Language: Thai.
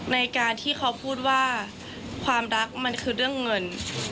ในการที่เขาพูดว่าความรักมันคือเรื่องเงิน